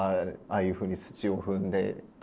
ああいうふうに土を踏んでとか。